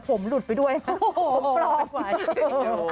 ผมหลุดไปด้วยนะผมปลอม